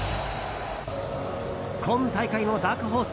今大会のダークホース